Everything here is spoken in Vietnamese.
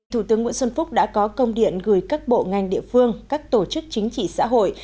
thủ tướng nguyễn xuân phúc đã có công điện gửi các bộ ngành địa phương các tổ chức chính trị xã hội